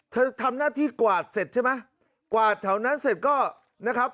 ทำหน้าที่กวาดเสร็จใช่ไหมกวาดแถวนั้นเสร็จก็นะครับ